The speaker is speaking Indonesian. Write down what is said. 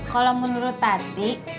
kalo menurut tadi